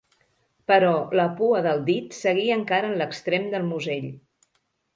Però la pua del dit seguia encara en l'extrem del musell.